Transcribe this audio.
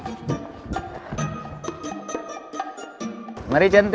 oh bagus banget